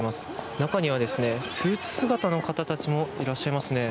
中には、スーツ姿の方たちもいらっしゃいますね。